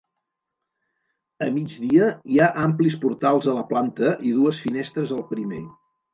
A migdia hi ha amplis portals a la planta i dues finestres al primer.